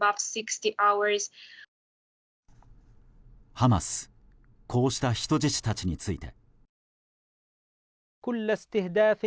ハマスこうした人質たちについて。